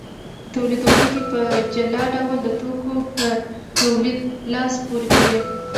تولیدونکي په جلا ډول د توکو په تولید لاس پورې کوي